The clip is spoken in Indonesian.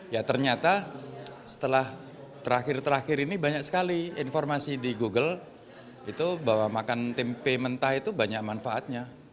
ya ternyata setelah terakhir terakhir ini banyak sekali informasi di google itu bahwa makan tempe mentah itu banyak manfaatnya